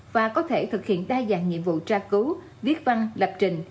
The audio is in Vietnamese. và có thể thực hiện đa dạng nhiệm vụ tra cứu viết văn lập trình